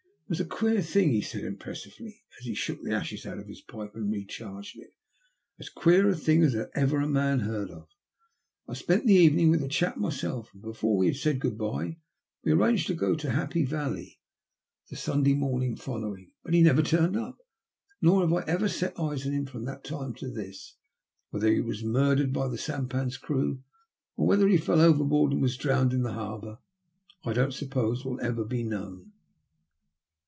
*' It was a queer thing," he said impressively, as he shook the ashes out of his pipe and re charged it, ''as queer a thing as ever a man heard of. I spent the evening with the chap myself, and before we said * good bye ' we arranged to go up to Happy Valley the A STRANGE COINCIDENCE. 116 Sunday morning following. But he never turned up, nor have I ever set eyes on him from that time to this. Whether he was murdered by the sampan's crew or whether he fell overboard and was drowned in the harbour, I don't suppose will ever be known."